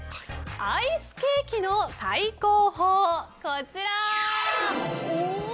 アイスケーキの最高峰、こちら！